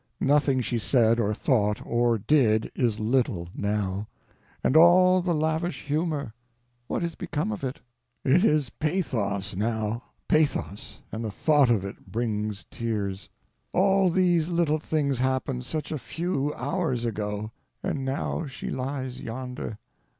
Nothing she said or thought or did is little now. And all the lavish humor!—what is become of it? It is pathos, now. Pathos, and the thought of it brings tears. All these little things happened such a few hours ago—and now she lies yonder.